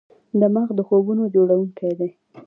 دماغ د خوبونو جوړونکی دی.